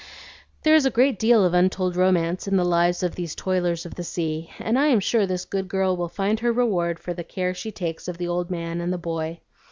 "There is a great deal of untold romance in the lives of these toilers of the sea, and I am sure this good girl will find her reward for the care she takes of the old man and the boy.